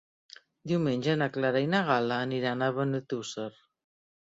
Diumenge na Clara i na Gal·la aniran a Benetússer.